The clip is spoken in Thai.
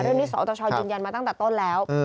โดยนี้สตยุนยันมาตั้งแต่ต้นแล้ว